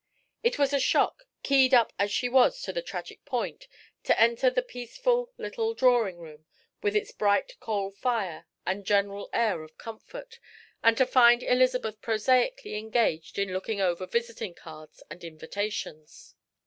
It was a shock, keyed up as she was to the tragic point, to enter the peaceful little drawing room with its bright coal fire and general air of comfort, and to find Elizabeth prosaically engaged in looking over visiting cards and invitations.